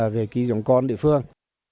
về kỳ dòng con địa phương